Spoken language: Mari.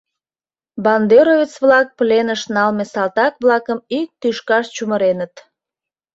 Бандеровец-влак пленыш налме салтак-влакым ик тӱшкаш чумыреныт.